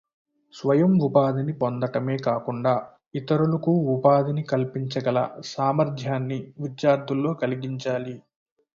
స్వయం ఉపాధిని పొందటమే కాకుండా ఇతరులకూ ఉపాధిని కల్పించగల సామర్థ్యాన్ని విద్యార్థుల్లో కలిగించాలి